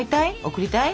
贈りたい？